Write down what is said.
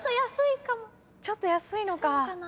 ちょっと安いのか。